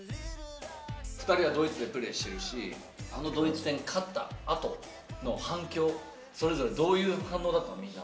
２人はドイツでプレーしてるし、あのドイツ戦勝ったあとの反響、それぞれどういう反応だった？